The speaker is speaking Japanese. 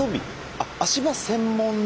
あっ足場専門の。